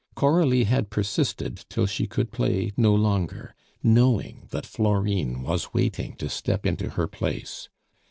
Coralie had persisted till she could play no longer, knowing that Florine was waiting to step into her place.